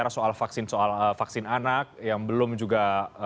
soal vaksin anak yang belum juga